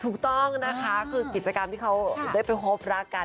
ถูกต้องค่ะคือกิจกรรมที่เขารักกัน